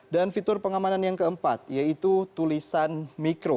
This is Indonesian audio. dan fitur pengamanan yang keempat yaitu tulisan mikro